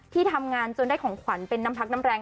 ที่ทำงานจนได้ของขวัญเป็นน้ำพักน้ำแรง